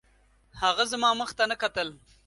هغه زما مخ ته نه کتل